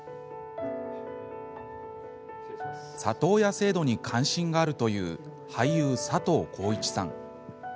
里親制度に関心があるという俳優、佐藤浩市さん。